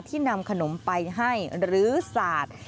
ที่นำขนมไปให้หรือศาสตร์